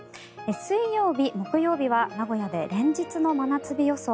水曜日、木曜日は名古屋で連日の真夏日予想。